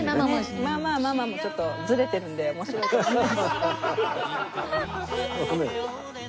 まあまあママもちょっとずれてるので面白いと思います。